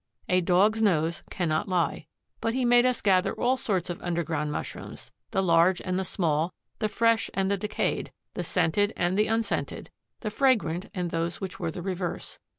A Dog's nose cannot lie. But he made us gather all sorts of underground mushrooms: the large and the small, the fresh and the decayed, the scented and the unscented, the fragrant and those which were the reverse.